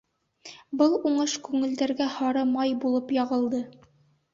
Был уңыш күңелдәргә һары май булып яғылды.